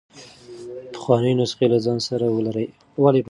پخوانۍ نسخې له ځان سره ولرئ.